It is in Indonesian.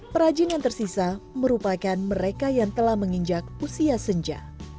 perajin yang tersisa merupakan mereka yang telah menginjak usia senja